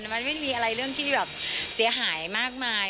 มันไม่มีอะไรเรื่องที่แบบเสียหายมากมาย